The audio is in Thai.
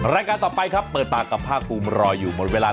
รายการต่อไปครับเปิดปากกับภาคภูมิรออยู่หมดเวลา